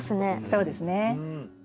そうですね。